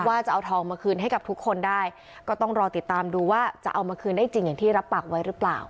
จะเอาทองมาคืนให้กับทุกคนได้ก็ต้องรอติดตามดูว่าจะเอามาคืนได้จริงอย่างที่รับปากไว้หรือเปล่า